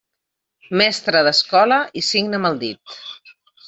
Mestre d'escola i signa amb el dit.